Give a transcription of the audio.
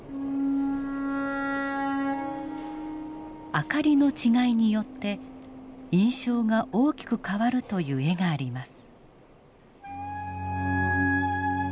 明かりの違いによって印象が大きく変わるという絵があります。